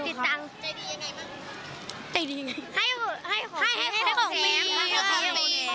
เสื้อทุกวันเลยครับ